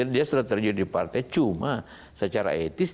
dia sudah terjun di partai cuma secara etis